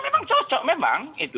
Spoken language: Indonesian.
memang cocok memang